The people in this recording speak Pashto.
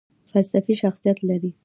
غلسفي شخصیت لري .